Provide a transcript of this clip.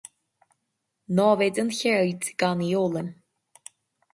Namhaid an cheird gan í a fhoghlaim.